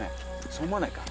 そう思わないか？